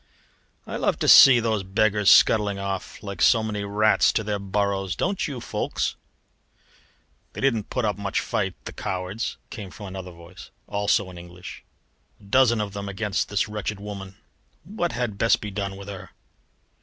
"I love to see those beggars scuttling off, like so many rats to their burrows, don't you, Ffoulkes?" "They didn't put up much fight, the cowards!" came from another voice, also in English. "A dozen of them against this wretched woman. What had best be done with her?"